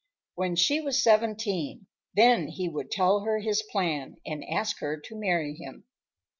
When she was seventeen, then he would tell her his plan and ask her to marry him.